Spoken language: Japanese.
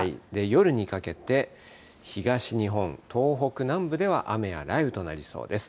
夜にかけて、東日本、東北南部では雨や雷雨となりそうです。